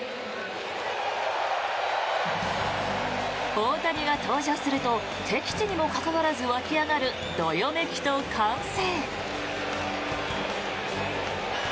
大谷が登場すると敵地にもかかわらず沸き上がるどよめきと歓声。